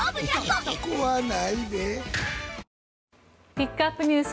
ピックアップＮＥＷＳ